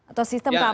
atau sistem keamanan